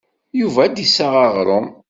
Yuba ad d-iseɣ aɣrum.